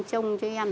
trông cho em